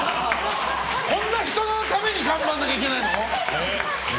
こんな人のために頑張んなきゃいけないの？